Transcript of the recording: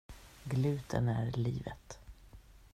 Gluten är livet!